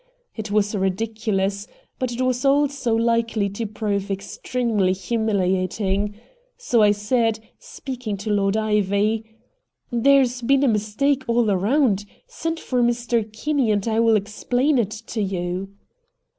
It was ridiculous, but it also was likely to prove extremely humiliating. So I said, speaking to Lord Ivy: "There's been a mistake all around; send for Mr. Kinney and I will explain it to you."